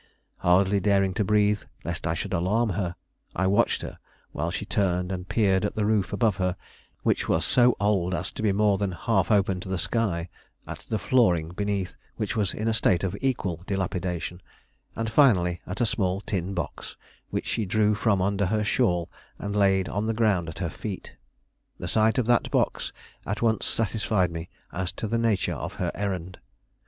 Hardly daring to breathe, lest I should alarm her, I watched her while she turned and peered at the roof above her, which was so old as to be more than half open to the sky, at the flooring beneath, which was in a state of equal dilapidation, and finally at a small tin box which she drew from under her shawl and laid on the ground at her feet. The sight of that box at once satisfied me as to the nature of her errand.